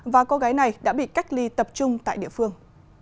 và cô gái này đã bị cách ly tập trung tại địa phương